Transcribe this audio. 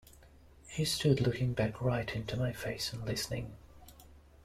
He stood looking back right into my face and listening.